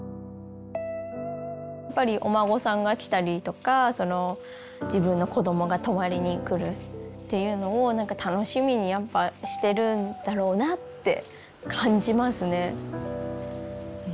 やっぱりお孫さんが来たりとか自分の子どもが泊まりに来るっていうのを楽しみにやっぱしてるんだろうなって感じますね。